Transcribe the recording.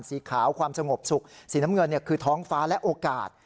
สีขาวความสงบสุขสีน้ำเงินคือท้องฟ้าและโอกาส